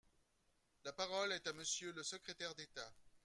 La parole est à Monsieur le secrétaire d’État.